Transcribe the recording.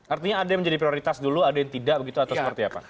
artinya ada yang menjadi prioritas dulu ada yang tidak begitu atau seperti apa